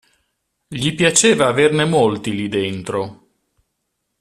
Gli piaceva averne molti lì dentro.